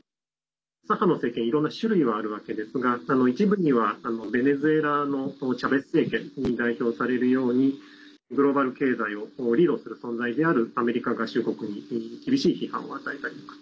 左派の政権いろんな種類はあるわけですが一部には、ベネズエラのチャベス政権に代表されるようにグローバル経済をリードする存在であるアメリカ合衆国に厳しい批判を与えたりとか。